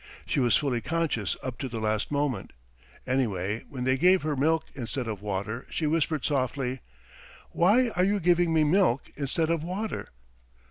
She was fully conscious up to the last moment. Anyway when they gave her milk instead of water she whispered softly: "'Why are you giving me milk instead of water?'